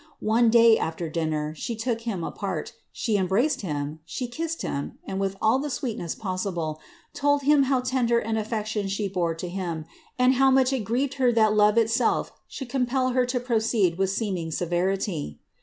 One day, a(\er dinner, ths took hiro apart, she embraced him, she kissed him, and^ with all the sweetness possible, told him how tender an affection she bore to hiiD, and how much it grieved her that love itself should compel her to pn^ ceed with seeming severity.